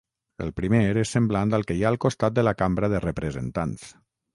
El primer és semblant al que hi ha al costat de la Cambra de Representants.